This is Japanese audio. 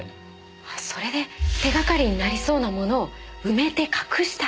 あそれで手がかりになりそうなものを埋めて隠した。